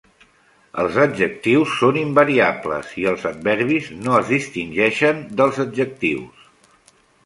Els adjectius són invariables i els adverbis no es distingeixen dels adjectius.